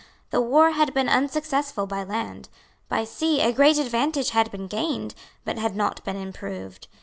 The war had been unsuccessful by land. By sea a great advantage had been gained, but had not been improved.